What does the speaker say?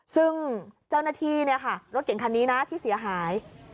ซึ่งเจ้าหน้าที่เนี่ยค่ะรถเก่งคันนี้นะที่เสียหาย